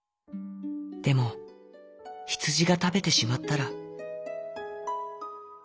でもヒツジがたべてしまったら」。